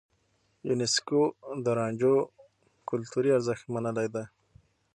يونيسکو د رانجو کلتوري ارزښت منلی دی.